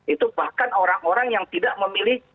itu bahkan orang orang yang tidak memilih